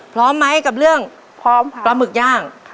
พร้อมไหมกับเรื่องปลาหมึกย่าง